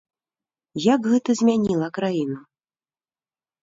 Як гэта змяніла краіну?